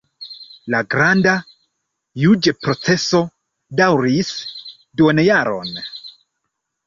La granda juĝ-proceso daŭris duonjaron.